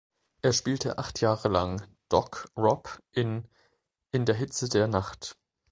Er spielte acht Jahre lang „Doc“ Robb in „In der Hitze der Nacht“.